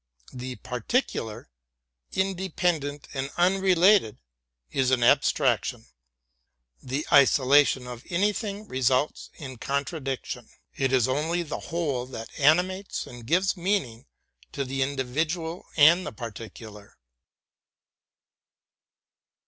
The par ticular— independent and unrelated — is an abstraction. The isolation of anything results in contradiction. It is only the whole that animates and gives meaning to the in HEGEL 15 dividual and the particular.